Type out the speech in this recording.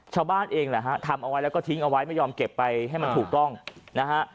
ชาวบ้านเองแหละฮะทำเอาไว้แล้วก็ทิ้งเอาไว้ไม่ยอมเก็บไปให้มันถูกต้องนะฮะ